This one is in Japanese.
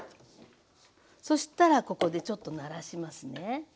そしたらここでちょっとならしますね。